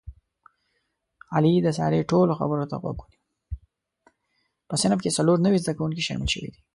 په صنف کې څلور نوي زده کوونکي شامل شوي دي.